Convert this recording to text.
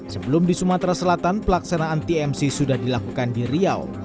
sebelum di sumatera selatan pelaksanaan tmc sudah dilakukan di riau